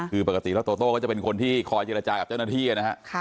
คือปกติแล้วโตโต้ก็จะเป็นคนที่คอยเจรจากับเจ้าหน้าที่นะฮะ